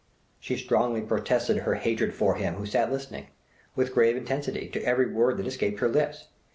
She strongly protested her "hatred for him" who sat listening, with grave intensity, to every word that escaped her lips!